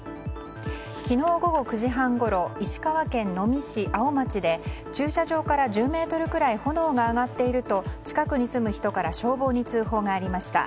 昨日午後９時半ごろ石川県能美市粟生町で駐車場から１０ｍくらい炎が上がっていると近くに住む人から消防に通報がありました。